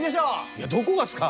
いやどこがすか！